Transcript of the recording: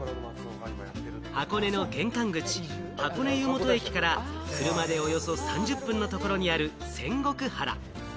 箱根の玄関口・箱根湯本駅から車でおよそ３０分のところにある仙石原。